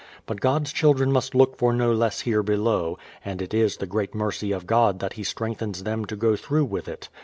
But God's children must look for no less here below; and it is the great mercy of God that He strengthens them to go through with it.